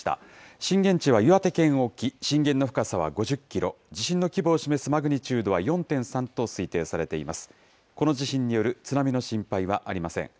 震源地は岩手県沖、震源の深さは５０キロ、地震の規模を示すマグニチュードは４．３と推定されています。